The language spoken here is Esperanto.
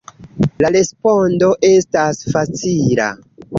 La respondo estas facila.